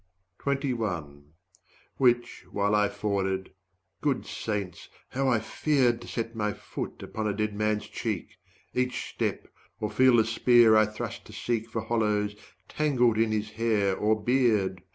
120 Which, while I forded good saints, how I feared To set my foot upon a dead man's cheek, Each step, or feel the spear I thrust to seek For hollows, tangled in his hair or beard!